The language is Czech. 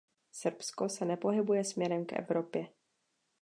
Srbsko se nepohybuje směrem k Evropě.